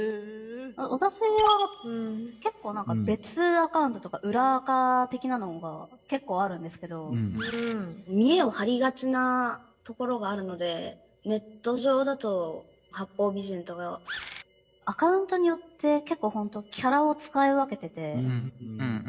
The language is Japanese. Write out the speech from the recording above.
私は結構何か別アカウントとか裏アカ的なのが結構あるんですけど見えを張りがちなところがあるのでネット上だと八方美人とかアカウントによって結構本当キャラを使い分けてて。